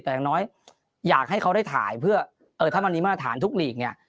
แต่อย่างน้อยอยากให้เขาได้ถ่ายเพื่อเออถ้ามันมีมาตรฐานทุกหลีกเนี่ย